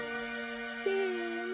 せの。